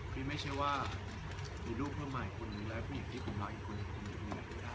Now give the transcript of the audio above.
คือไม่ใช่ว่ามีลูกเพิ่มใหม่คุณหรือหลายผู้หญิงที่คุณรักอีกคุณ